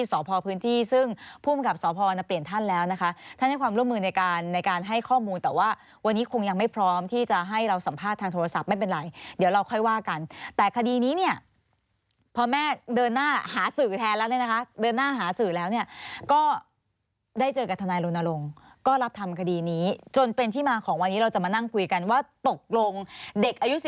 สอบพอพื้นที่ซึ่งผู้มีกับสอบพอเปลี่ยนท่านแล้วนะคะท่านให้ความร่วมมือในการในการให้ข้อมูลแต่ว่าวันนี้คงยังไม่พร้อมที่จะให้เราสัมภาษณ์ทางโทรศัพท์ไม่เป็นไรเดี๋ยวเราค่อยว่ากันแต่คดีนี้เนี่ยพอแม่เดินหน้าหาสื่อแทนแล้วเนี่ยนะคะเดินหน้าหาสื่อแล้วเนี่ยก็ได้เจอกับทนายลูนลงก็รับทำคดี